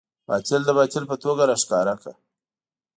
باطل د باطل په توګه راښکاره کړه.